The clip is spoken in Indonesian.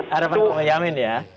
harapan pak boyamin ya